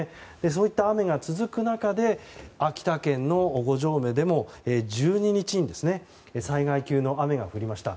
そういった雨が続く中で秋田県の五城目でも１２日に災害級の雨が降りました。